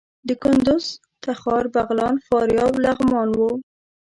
د کندوز، تخار، بغلان، فاریاب، لغمان وو.